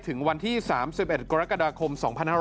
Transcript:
ถึงวันที่๓๑กรกฎาคม๒๕๖๐